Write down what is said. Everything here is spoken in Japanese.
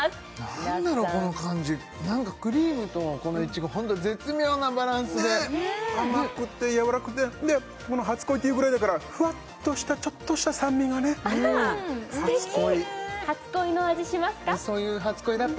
何だろこの感じ何かクリームとこのいちごホントに絶妙なバランスでねっ甘くてやわらかくてでこの初恋っていうぐらいだからふわっとしたちょっとした酸味がね初恋すてき！